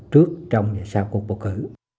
trước trong và sau cuộc bầu cử